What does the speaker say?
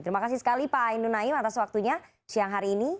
terima kasih sekali pak ainun naim atas waktunya siang hari ini